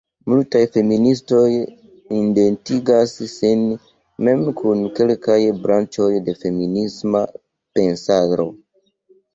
Multaj feministoj identigas sin mem kun kelkaj branĉoj de feminisma pensaro.